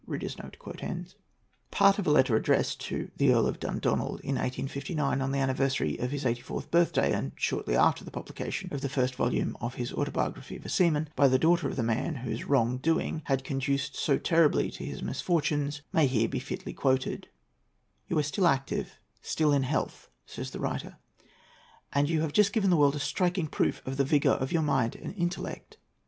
Part of a letter addressed to the Earl of Dundonald in 1859, on the anniversary of his eighty fourth birthday, and shortly after the publication of the first volume of his "Autobiography of a Seaman," by the daughter of the man whose wrong doing had conduced so terribly to his misfortunes, may here be fitly quoted:—"You are still active, still in health," says the writer, "and you have just given to the world a striking proof of the vigour of your mind and intellect.